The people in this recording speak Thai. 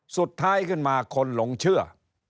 สุดท้ายขึ้นมาคนหลงเชื่อ